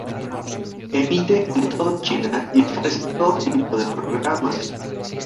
Emite en toda China y ofrece todo tipo de programas.